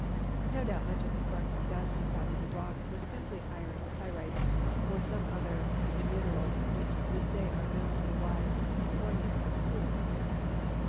No doubt much of the sparkling dust he saw in the rocks was simply iron pyrites, or some other of the minerals which to this day are known to the wise in California as 'fool's gold.'